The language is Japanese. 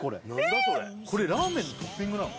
これラーメンのトッピングなの？